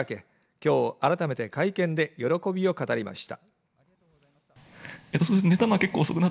今日改めて会見で喜びを語りました。